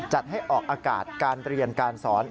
จัดให้ออกอากาศการเรียนการสอน